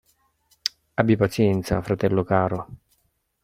Abbi pazienza, fratello caro.